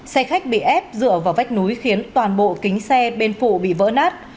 xe khách bị ép dựa vào vách núi khiến toàn bộ kính xe bên phụ bị vỡ nát